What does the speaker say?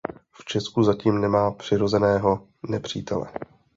V Česku zatím nemá přirozeného nepřítele.